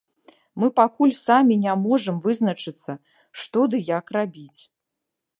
Мы пакуль самі не можам вызначыцца што ды як рабіць.